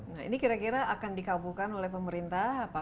nah ini kira kira akan dikabulkan oleh pemerintah